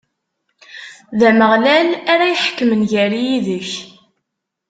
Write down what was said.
D Ameɣlal ara iḥekmen gar-i yid-k.